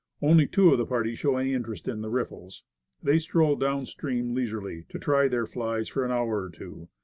Only two of the party show any interest in the riffles. They stroll down stream leisurely, to try their flies for an hour or two.